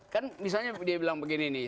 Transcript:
kan misalnya dia bilang begini nih